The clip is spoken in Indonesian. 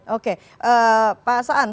oke pak sa'am